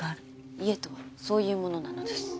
家とはそういうものなのです。